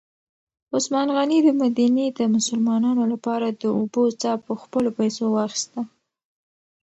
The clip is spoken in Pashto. عثمان غني د مدینې د مسلمانانو لپاره د اوبو څاه په خپلو پیسو واخیسته.